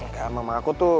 engga mama aku tuh